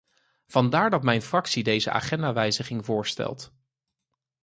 Vandaar dat mijn fractie deze agendawijziging voorstelt.